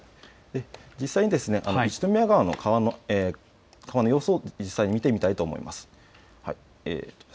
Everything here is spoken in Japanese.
実際に一宮川の川の様子を見てみたいと思います。